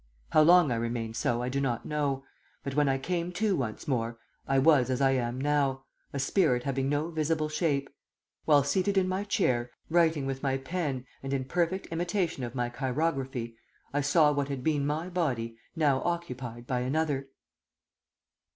How long I remained so, I do not know; but when I came to once more, I was as I am now a spirit having no visible shape; while seated in my chair, writing with my pen and in perfect imitation of my chirography, I saw what had been my body now occupied by another."